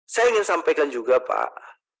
saya ingin sampaikan juga pak